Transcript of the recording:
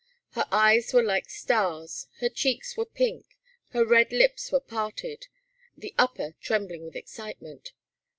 Her eyes were like stars, her cheeks were pink; her red lips were parted, the upper trembling with excitement.